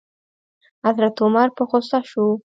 حضرت عمر په غوسه شو.